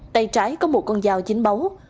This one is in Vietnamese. tay trái có một con dao dính báu